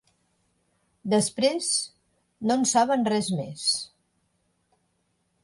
Després, no en saben res més.